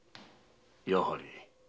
やはり。